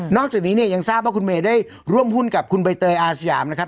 จากนี้เนี่ยยังทราบว่าคุณเมย์ได้ร่วมหุ้นกับคุณใบเตยอาสยามนะครับ